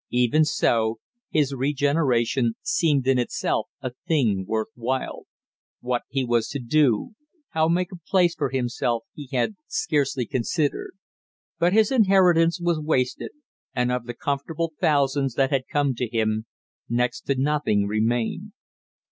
Even so, his regeneration seemed in itself a thing worth while. What he was to do, how make a place for himself, he had scarcely considered; but his inheritance was wasted, and of the comfortable thousands that had come to him, next to nothing remained.